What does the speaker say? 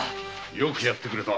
よくやってくれた。